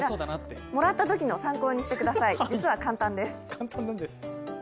もらったときの参考にしてください、実は簡単です。